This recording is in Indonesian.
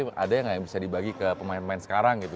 gimana sih kita gak bisa dibagi ke pemain pemain sekarang gitu